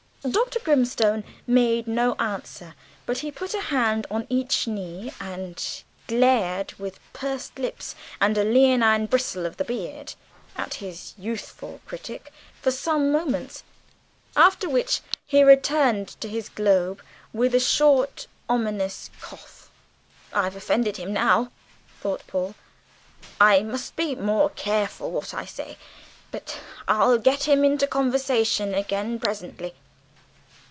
Dr. Grimstone made no answer, but he put a hand on each knee, and glared with pursed lips and a leonine bristle of the beard at his youthful critic for some moments, after which he returned to his Globe with a short ominous cough. "I've offended him now," thought Paul. "I must be more careful what I say. But I'll get him into conversation again presently."